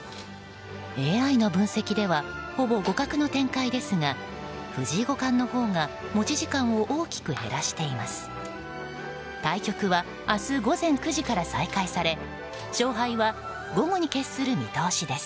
ＡＩの分析ではほぼ互角の展開ですが藤井五冠のほうが持ち時間を大きく減らしています。